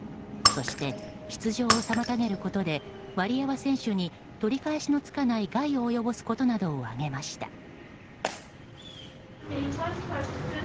そして、出場を妨げることでワリエワ選手に取り返しのつかない害を及ぼすことなどを挙げました。